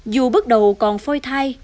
dù bước đầu còn phôi thai